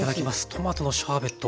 トマトのシャーベット